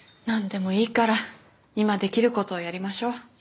なんでもいいから今できる事をやりましょう。